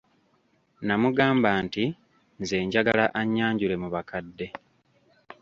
Namugamba nti nze njagala annyanjule mu bakadde.